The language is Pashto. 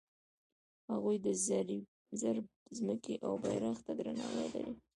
هغوی د صرب ځمکې او بیرغ ته درناوی لري.